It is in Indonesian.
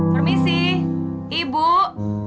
terima kasih dari kita